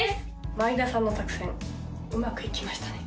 前田さんの作戦うまくいきましたね